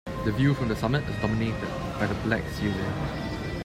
The view from the summit is dominated by the Black Cuillin.